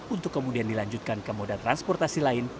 untuk kemudian dilanjutkan ke moda transportasi lain